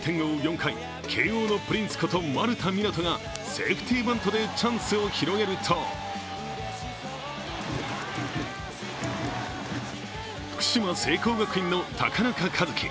４回、慶応のプリンスこと丸田湊斗がセーフティバントでチャンスを広げると福島・聖光学院の高中一樹。